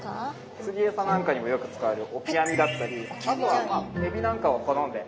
釣りエサなんかにもよく使われるオキアミだったりあとはエビなんかを好んで食べます。